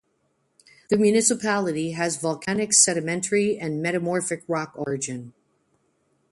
The municipality has volcanic sedimentary and metamorphic rock origin.